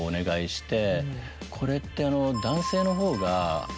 「これって」。